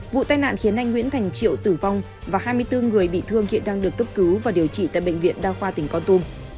vụ tai nạn khiến anh nguyễn thành triệu tử vong và hai mươi bốn người bị thương hiện đang được cấp cứu và điều trị tại bệnh viện đa khoa tỉnh con tum